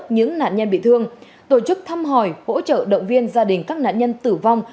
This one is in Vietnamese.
những nạn nhân bị thương tổ chức thăm hỏi hỗ trợ động viên gia đình các nạn nhân tử vong